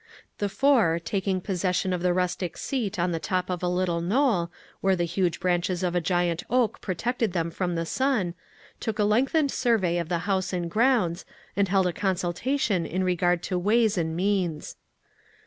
The four, taking possession of the rustic seat on the top of a little knoll, where the huge branches of a giant oak protected them from the sun, took a lengthened survey of the house and grounds, and held a consultation in regard to ways and means.